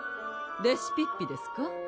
レシピッピですか？